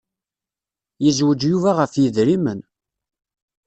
Yezweǧ Yuba ɣef yedrimen.